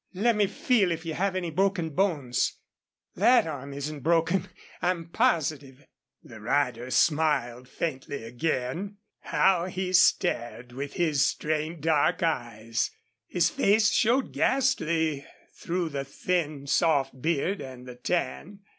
"Let me feel if you have any broken bones.... THAT arm isn't broken, I'm positive." The rider smiled faintly again. How he stared with his strained, dark eyes! His face showed ghastly through the thin, soft beard and the tan.